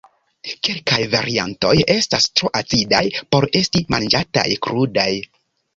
Kelkaj variantoj estas tro acidaj por esti manĝataj krudaj.